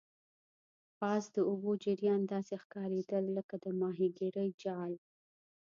پاس د اوبو جریان داسې ښکاریدل لکه د ماهیګرۍ جال.